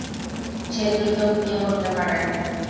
সে দ্রুত ঘুমিয়ে পড়তে পারে।